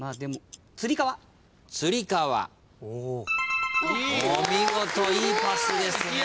お見事いいパスですね。